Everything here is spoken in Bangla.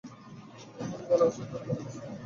ইহা আমি আমার ভালোবাসার জোরে বলিতেছি।